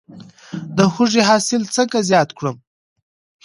د هوږې حاصل څنګه زیات کړم؟